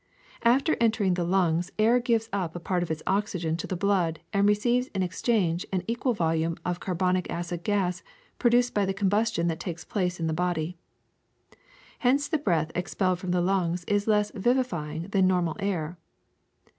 ^^ After entering the lungs air gives up a part of its oxygen to the blood and receives in exchange an equal volume of carbonic acid gas produced by the combustion that takes place in the body. Hence the breath exhaled from the lungs is less vivifying than normal air.